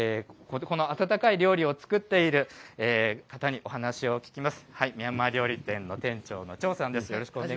では、この温かい料理を作っている方にお話を聞きます。